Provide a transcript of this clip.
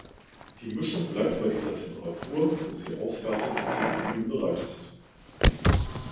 Die Mischung bleibt bei dieser Temperatur, bis sie aushärtet und zum Abkühlen bereit ist.